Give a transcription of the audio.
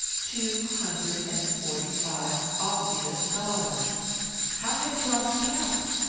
Two hundred and forty five obvious dollars! How had he lost count?